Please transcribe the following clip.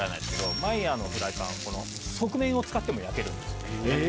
マイヤーのフライパンはこの側面を使っても焼けるんですよね。